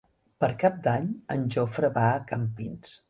Per Cap d'Any en Jofre va a Campins.